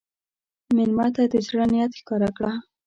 مېلمه ته د زړه نیت ښکاره کړه.